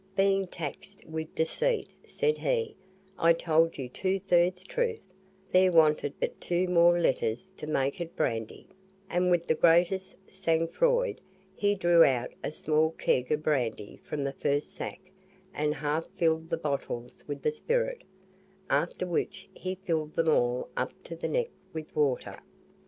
Being taxed with deceit, said he: "I told you two thirds truth; there wanted but two more letters to make it BRANDY," and with the greatest SANG FROID he drew out a small keg of brandy from the first sack and half filled the bottles with the spirit, after which he filled them all up to the neck with water.